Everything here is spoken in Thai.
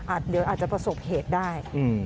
อาจจะประสบเหตุได้